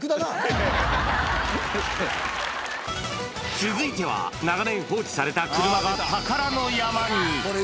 続いては、長年放置された車が宝の山に。